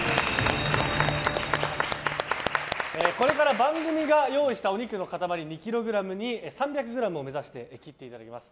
これから番組が用意したお肉の塊２ｋｇに３００ｇを目指して切っていただきます。